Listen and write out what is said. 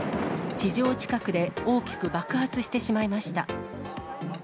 地上近くで大きく爆発してしまいました。